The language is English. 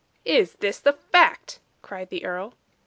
"Is this the fact?" cried the earl.